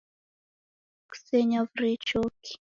Kusenyavure choki